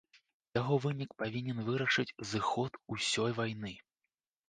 Яго вынік павінен вырашыць зыход усёй вайны.